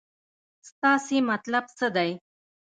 ستاسې مطلب څه دی.